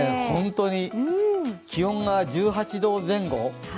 本当に、気温が１８度前後。